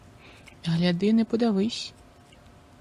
Гляди, не подавись!